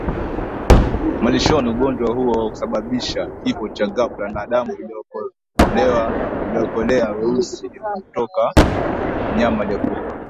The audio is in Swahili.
malishoni Ugonjwa huo husababisha kifo cha ghafla na damu iliyokolea weusi humtoka mnyama aliyekufa